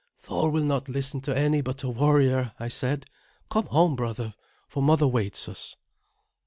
"Thor will not listen to any but a warrior," I said. "Come home, brother, for mother waits us."